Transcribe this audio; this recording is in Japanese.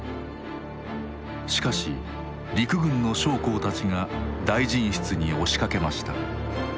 しかし陸軍の将校たちが大臣室に押しかけました。